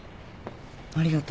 ありがと。